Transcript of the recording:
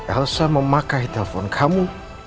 elsa memakai handphone kamu